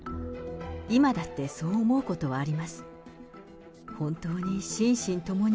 今だってそう思うことはあります。